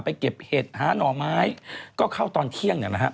ไปเก็บเห็ดหาหน่อไม้ก็เข้าตอนเที่ยง